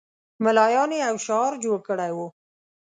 ملایانو یو شعار جوړ کړی وو.